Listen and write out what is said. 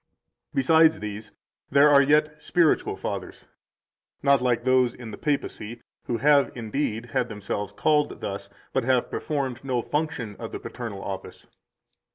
Besides these there are yet spiritual fathers; not like those in the Papacy, who have indeed had themselves called thus, but have performed no function of the paternal office.